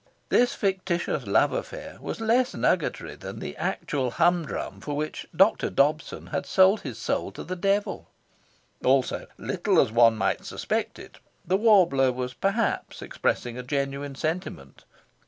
This fictitious love affair was less nugatory than the actual humdrum for which Dr. Dobson had sold his soul to the devil. Also, little as one might suspect it, the warbler was perhaps expressing a genuine sentiment.